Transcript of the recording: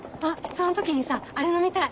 その時にさあれ飲みたい！